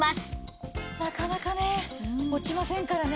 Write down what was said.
なかなかね落ちませんからね。